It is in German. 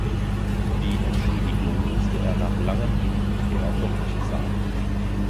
Die Entschädigung musste er nach langem Hin und Her doch nicht zahlen.